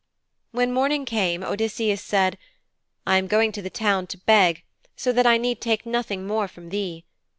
When morning came, Odysseus said, 'I am going to the town to beg, so that I need take nothing more from thee.